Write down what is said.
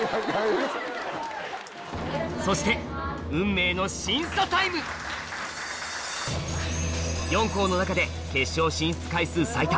そして運命の審査タイム４校の中で決勝進出回数最多